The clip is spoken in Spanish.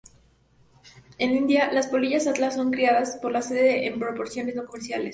En India, las polillas atlas son criadas por la seda en proporciones no comerciales.